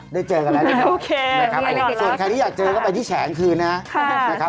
ได้เจอกันแล้วเจอกับใครที่อยากเจาก็ไปที่แฉงคืนครับ